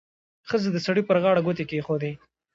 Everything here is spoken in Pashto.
ښځې د سړي پر غاړه ګوتې کېښودې.